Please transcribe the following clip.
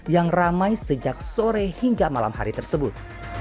yang ramai sejak sore hingga malam hari tersebut